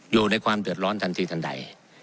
อยู่ในความเดือดร้อนทันทีทันใด